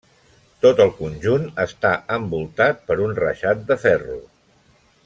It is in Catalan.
Tot el conjunt està envoltat per un reixat de ferro.